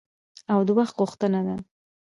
او د وخت غوښتنه ده.